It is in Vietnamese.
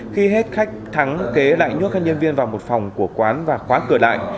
khi hết khách thắng kế lại nhốt hai nhân viên vào một phòng của quán và khóa cửa lại